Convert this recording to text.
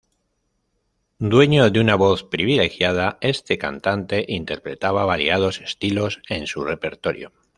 Dueño de una voz privilegiada, este cantante interpretaba variados estilos en su repertorio.